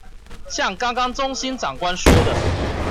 像剛剛中心長官說的